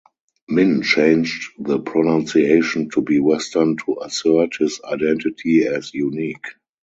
Min changed the pronunciation to be western to assert his identity as unique.